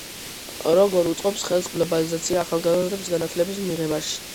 როგორ უწყობს ხელს გლობალიზაცია ახალგაზრდებს განათლების მიღებაში